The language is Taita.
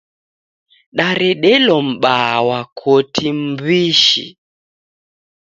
Daredelo m'baa wa koti m'wishi.